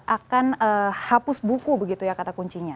akan hapus buku begitu ya kata kuncinya